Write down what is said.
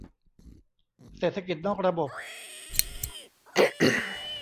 เศรษฐกิจนอกระบบ